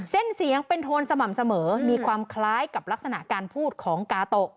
เส้นเสียงเป็นโทนสม่ำเสมอมีความคล้ายกับลักษณะการพูดของกาโตะ